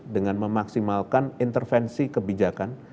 dengan memaksimalkan intervensi kebijakan